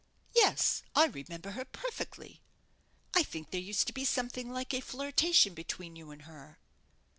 "Yes, I remember her perfectly." "I think there used to be something like a flirtation between you and her."